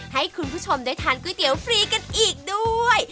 ให้คุณผู้ชมได้ทานก๋วยเตี๋ยวฟรีกันอีกด้วย